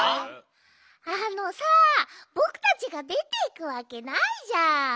あのさぼくたちがでていくわけないじゃん。